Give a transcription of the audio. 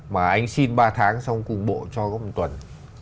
mà anh xin ba tháng xong cùng bộ cho có một tuần